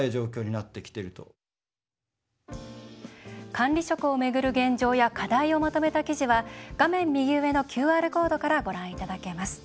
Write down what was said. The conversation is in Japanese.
管理職を巡る現状や課題をまとめた記事は画面右上のＱＲコードからご覧いただけます。